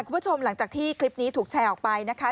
คุณผู้ชมหลังจากที่คลิปนี้ถูกแชร์ออกไปนะคะ